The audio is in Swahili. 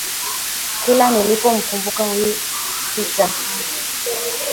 kila nilipomkumbuka huyu Petree